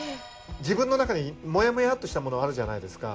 自分の中にもやもやっとしたものあるじゃないですか？